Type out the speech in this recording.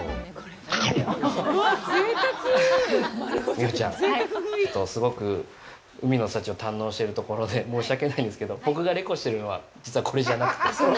美桜ちゃん、すごく海の幸を堪能しているところで申し訳ないんですけど、僕がレコしているのは、実はこれじゃなくて。